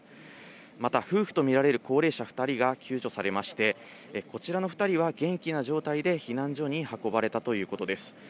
また夫婦と見られる高齢者２人が救助されまして、こちらの２人は元気な状態で、避難所に運ばれたということです。